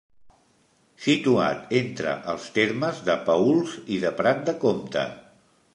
Situat entre els termes de Paüls i de Prat de Comte.